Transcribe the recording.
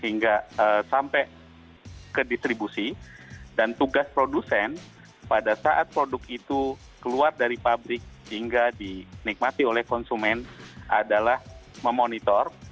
hingga sampai ke distribusi dan tugas produsen pada saat produk itu keluar dari pabrik hingga dinikmati oleh konsumen adalah memonitor